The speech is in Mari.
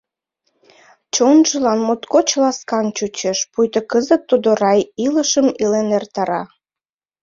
Чонжылан моткоч ласкан чучеш, пуйто кызыт тудо рай илышым илен эртара.